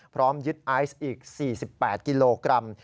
พร้อมยึดไอซ์อีก๔๘กิโลกรัม